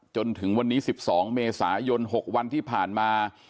จนถึงวันนี้สิบสองเมศยณหกวันที่ผ่านมา